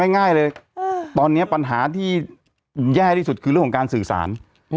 ง่ายเลยตอนนี้ปัญหาที่แย่ที่สุดคือเรื่องของการสื่อสาร